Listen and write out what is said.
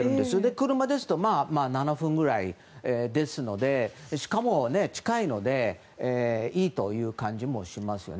車ですと７分ぐらいですのでしかも近いのでいいという感じもしますよね。